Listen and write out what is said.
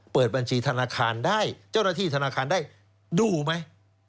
เปิดบัญชีธนาคารได้เจ้าหน้าที่ธนาคารได้ดูไหม